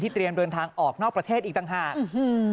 เตรียมเดินทางออกนอกประเทศอีกต่างหากอืม